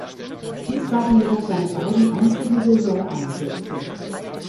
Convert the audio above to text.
Dies waren jedoch seine beiden einzigen Saisoneinsätze.